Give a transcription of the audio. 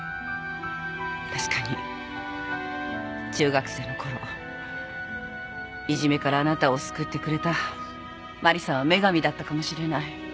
確かに中学生のころいじめからあなたを救ってくれたマリさんは女神だったかもしれない。